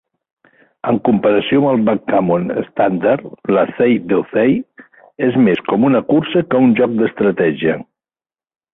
En comparació amb el backgammon estàndard, l'"acey-deucey" és més com una cursa que un joc d'estratègia.